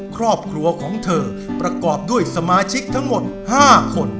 ครอบครัวของเธอประกอบด้วยสมาชิกทั้งหมด๕คน